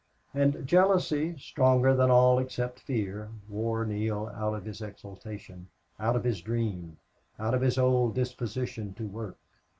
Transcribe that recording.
And jealousy, stronger than all except fear, wore Neale out of his exaltation, out of his dream, out of his old disposition to work.